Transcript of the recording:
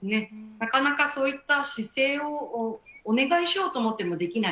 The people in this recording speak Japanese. なかなかそういった姿勢を、お願いしようと思ってもできない。